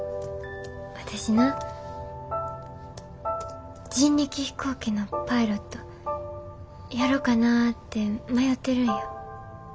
私な人力飛行機のパイロットやろかなて迷てるんや。